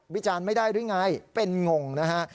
จารณ์ไม่ได้หรือไงเป็นงงนะฮะ